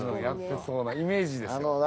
やってそうなイメージですけど。